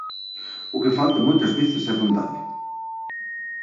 O que falta moitas veces é vontade.